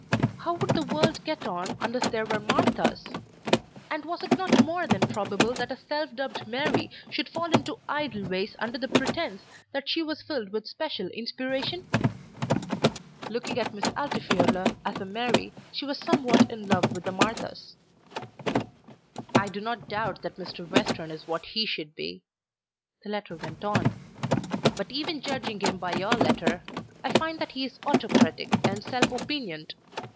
How would the world get on unless there were Marthas? And was it not more than probable that a self dubbed Mary should fall into idle ways under the pretence that she was filled with special inspiration? Looking at Miss Altifiorla as a Mary, she was somewhat in love with the Marthas. "I do not doubt that Mr. Western is what he should be," the letter went on, "but even judging him by your letter, I find that he is autocratic and self opinioned.